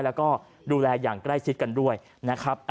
แล้วก็ดูแลอย่างใกล้ชิดกันด้วยนะครับ